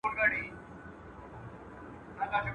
هر شى پر خپل ځاى ښه ايسي.